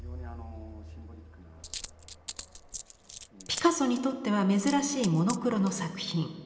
ピカソにとっては珍しいモノクロの作品。